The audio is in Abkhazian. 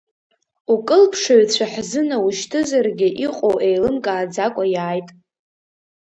Укылԥшыҩцәа ҳзынаушьҭызаргьы, иҟоу еилымкааӡакәа иааит.